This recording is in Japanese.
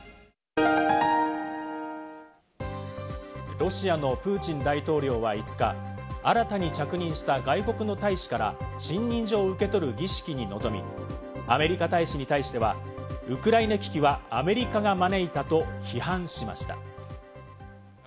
ロシアのプーチン大統領は５日、新たに着任した外国の大使から信任状を受け取る儀式に臨み、アメリカ大使に対してはウクライナ危機はアメリカが招いたと批判しました。